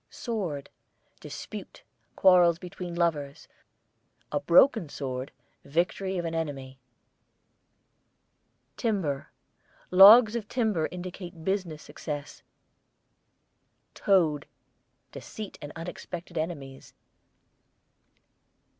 SWORD, dispute, quarrels between lovers; a broken sword, victory of an enemy. TIMBER, logs of timber indicate business success. TOAD, deceit and unexpected enemies.